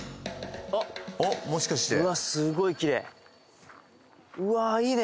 おっもしかしてうわすごいきれいうわーいいね